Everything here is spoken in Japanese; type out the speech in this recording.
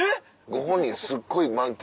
ご本人すっごい満喫。